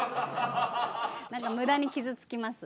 何か無駄に傷つきます。